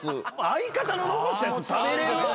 相方の残したやつ食べれる？